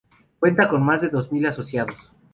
Cuenta con más de mil asociados.